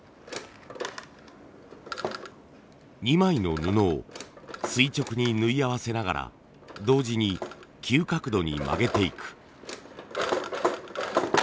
２枚の布を垂直に縫い合わせながら同時に急角度に曲げていく。